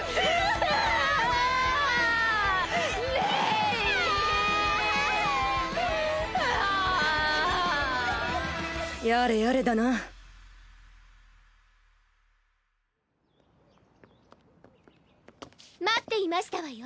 あレイちゃんやれやれだな待っていましたわよ